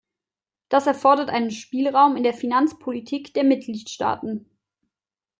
Das erfordert einen Spielraum in der Finanzpolitik der Mitgliedstaaten.